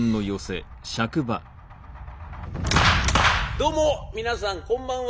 どうも皆さんこんばんは。